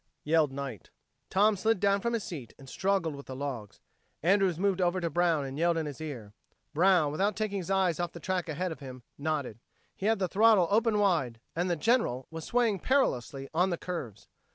yelled Knight. Tom slid down from his seat and struggled with the logs. Andrews moved over to Brown and yelled in his ear. Brown, without taking his eyes off the track ahead of him, nodded. He had the throttle open wide, and the General was swaying perilously on the curves.